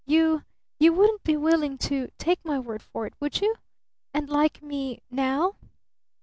"You you wouldn't be willing to take my word for it, would you? And like me now?"